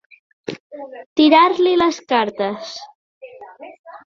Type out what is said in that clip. Tirar-li les cartes.